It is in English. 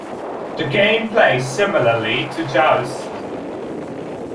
The game plays similarly to Joust.